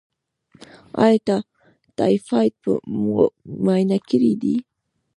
ایا ټایفایډ مو معاینه کړی دی؟